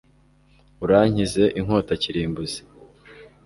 urankize inkota kirimbuzi